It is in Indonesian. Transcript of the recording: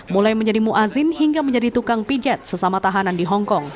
mulai menjadi ⁇ muazzin hingga menjadi tukang pijat sesama tahanan di hongkong